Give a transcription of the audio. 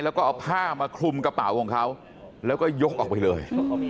แล้วก็เอาผ้ามาคลุมกระเป๋าของเขาแล้วก็ยกออกไปเลย